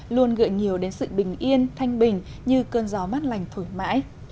luôn gợi nhiều đến sự bình yên thanh bình như cơn gió mát lành thổi mãi